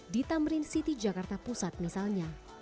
di tamrin city jakarta pusat misalnya